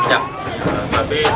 kena penginapan minyak